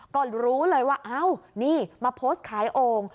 ก็รู้เลยว่าอ้าวนี่มาโพสต์ขายโอ่ง